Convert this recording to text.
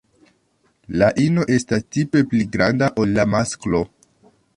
La ino estas tipe pli malgranda ol la masklo.